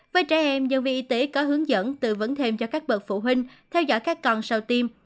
với trẻ em nhân viên y tế có hướng dẫn tư vấn thêm cho các bậc phụ huynh theo dõi các con sau tiêm